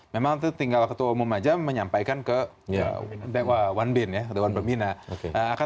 memang itu tinggal ketua umum saja menyampaikan ke one bin ya